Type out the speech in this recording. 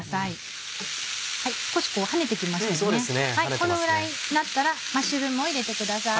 このぐらいになったらマッシュルームを入れてください。